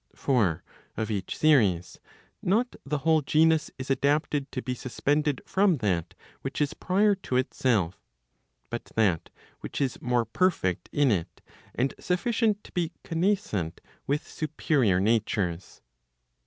For of each series, not the whole genus is adapted to be suspended from that which is prior to itself, but that which is more perfect in it, and sufficient to be connascent with superior natures.